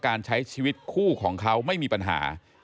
การใช้ชีวิตคู่ของเขาไม่มีปัญหา